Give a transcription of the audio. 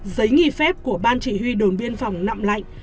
giấy nghị phép của ban trị huy đồn biên phòng nặng lạnh